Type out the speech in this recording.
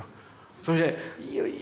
それで「いいよいいよ。